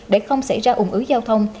để không xảy ra ủng ứ giao thông